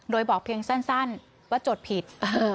โดยบอกเพียงสั้นว่าจดผิด